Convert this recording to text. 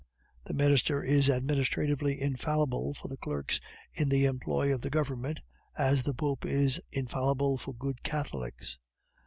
The Minister is administratively infallible for the clerks in the employ of the Government, as the Pope is infallible for good Catholics.